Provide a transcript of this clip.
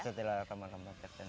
setelah ramang ramang terkenal